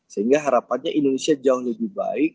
sehingga harapannya indonesia jauh lebih baik